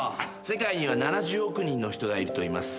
世界には７０億人の人がいるといいます。